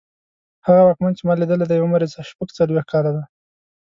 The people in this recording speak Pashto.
هغه واکمن چې ما لیدلی دی عمر یې شپږڅلوېښت کاله دی.